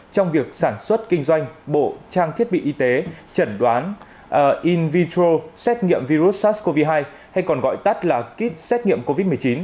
trong việc sản xuất kinh doanh bộ trang thiết bị y tế chẩn đoán in vitro xét nghiệm virus sars cov hai hay còn gọi tắt là kit xét nghiệm covid một mươi chín